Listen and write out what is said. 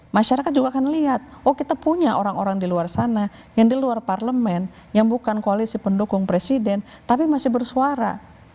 masyarakat juga akan lihat oh kita punya orang orang di luar sana yang di luar parlemen yang bukan koalisi pendukung presiden tapi masih bersuara